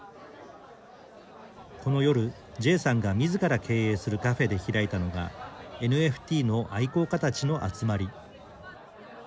この夜、ジェイさんがみずから経営するカフェで開いたのがＮＦＴの愛好家たちの集まり。